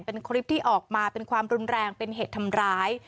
เป็นคลิปที่ออกมาเป็นความรุนแรงเป็นเหตุทำร้าย